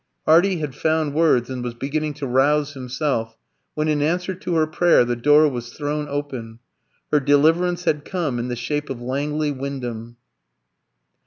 Hardy had found words and was beginning to rouse himself, when in answer to her prayer the door was thrown open. Her deliverance had come in the shape of Langley Wyndham.